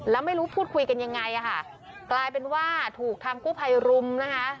แล้วไม่รู้พูดคุยกันยังไงอ่ะค่ะกลายเป็นว่าถูกทางกู้ภัยรุมนะคะ